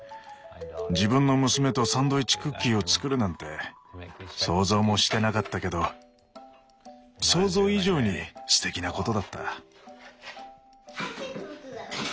自分の娘とサンドイッチクッキーを作るなんて想像もしてなかったけど想像以上にすてきなことだった。